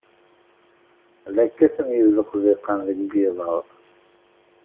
La kkaten yizeqziqen deg yiḍ-a.